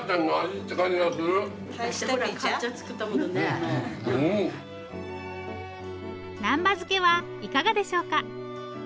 漬けはいかがでしょうか。